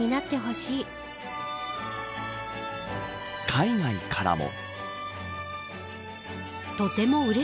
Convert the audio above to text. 海外からも。